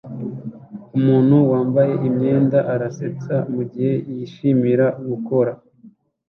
Umuntu wambaye imyenda arasetsa mugihe yishimira gukora